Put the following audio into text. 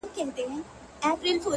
• زه دي سر تر نوکه ستا بلا ګردان سم,